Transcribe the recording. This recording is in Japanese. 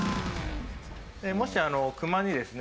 もしクマにですね